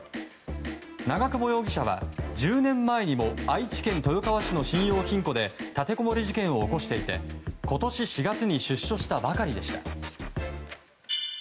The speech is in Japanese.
長久保容疑者は１０年前にも愛知県豊川市の信用金庫で立てこもり事件を起こしていて今年４月に出所したばかりでした。